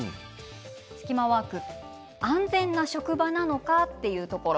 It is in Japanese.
スキマワーク、安全な職場なのかというところ。